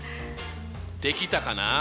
できたかな？